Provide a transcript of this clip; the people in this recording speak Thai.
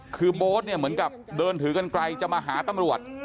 คือโบ๊ทเนี่ยเหมือนกับเดินถือกันไกลจะมาหาตำรวจ